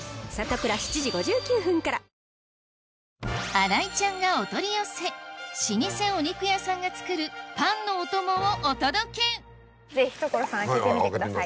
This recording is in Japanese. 新井ちゃんがお取り寄せ老舗お肉屋さんが作るパンのお供をお届けぜひ所さん開けてみてください。